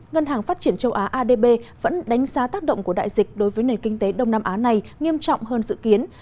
ngân hàng phát triển châu á adb vẫn đánh giá tác động của đại dịch đối với nền kinh tế đông nam á này nghiêm trọng hơn dự kiến